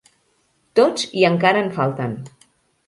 Tots i encara en falten.